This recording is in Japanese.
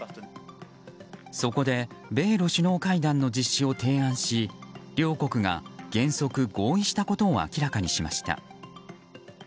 そこで米露首脳会談の実施を提案し両国が原則合意したことを明らかにしました。